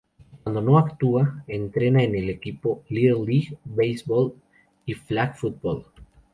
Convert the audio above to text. Cuando no actúa, entrena en un equipo de Little League Baseball y "flag football".